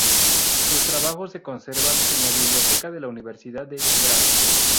Sus trabajos se conservan en la Biblioteca de la Universidad de Graz.